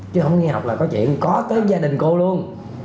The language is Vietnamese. chứ không nghe học là có chuyện có tới gia đình cô luôn